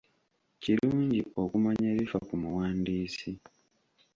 Kirungi okumanya ebifa ku muwandiisi.